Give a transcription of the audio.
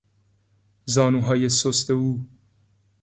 زانوهای سست او